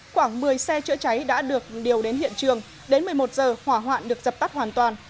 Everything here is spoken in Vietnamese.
khoảng một mươi xe chữa cháy đã được điều đến hiện trường đến một mươi một giờ hỏa hoạn được dập tắt hoàn toàn